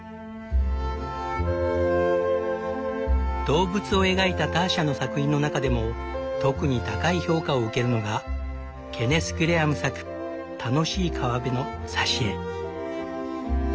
動物を描いたターシャの作品の中でも特に高い評価を受けるのがケネス・グレアム作「たのしい川べ」の挿絵。